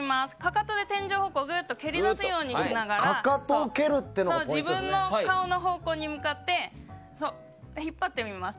かかとで天井を蹴り出すようにしながら自分の顔の方向に向かって引っ張ってみます。